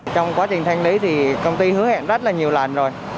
trong quá trình thanh lý thì công ty hứa hẹn rất là nhiều lần rồi